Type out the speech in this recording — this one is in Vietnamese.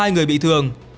hai người bị thương